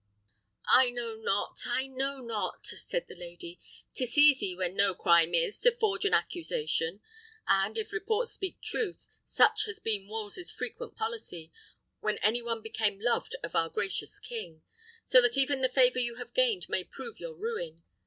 "I know not; I know not," said the lady; "'tis easy, where no crime is, to forge an accusation; and, if report speak truth, such has been Wolsey's frequent policy, when any one became loved of our gracious king; so that even the favour you have gained may prove your ruin.